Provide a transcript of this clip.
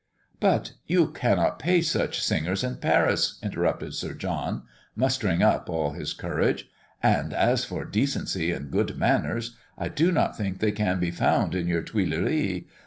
"But you cannot pay such singers in Paris," interrupted Sir John, mustering up all his courage. "And as for decency and good manners, I do not think they can be found in your Tuilleries.